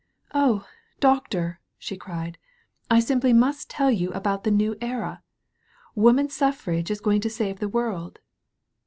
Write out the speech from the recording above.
"Oh, Doctor," she cried, "I simply must tell you about the New Era. Woman Suffrage is going to save the world."